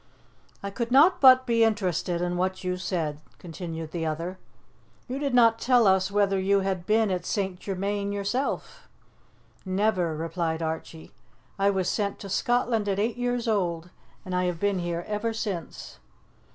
"I could not but be interested in what you said," continued the other. "You did not tell us whether you had been at St. Germain yourself." "Never!" replied Archie. "I was sent to Scotland at eight years old, and I have been here ever since."